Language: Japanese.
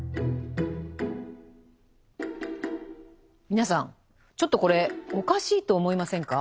皆さんちょっとこれおかしいと思いませんか？